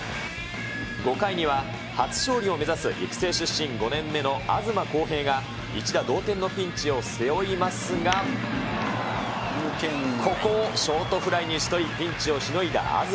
５回には、初勝利を目指す、育成出身、５年目の東晃平が、一打同点のピンチを背負いますが、ここをショートフライに打ち取り、ピンチをしのいだ東。